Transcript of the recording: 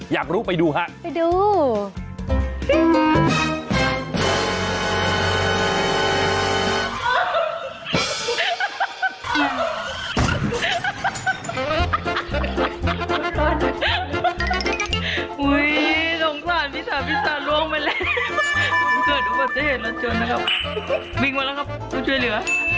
อยากรู้ไปดูฮะไปดู